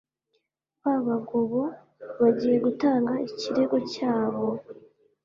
Babagobo bajyiye gutanga ikirego cyabo